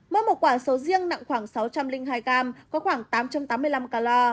mỗi một quả sầu riêng nặng khoảng sáu trăm linh hai gram có khoảng tám trăm tám mươi năm calor